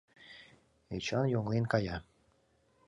Эчан йоҥлен кая.